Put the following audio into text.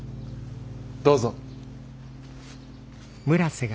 どうぞ。